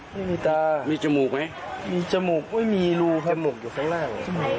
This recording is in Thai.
ไม่มีตามีจมูกไหมมีจมูกไม่มีรูขมูกอยู่ข้างล่าง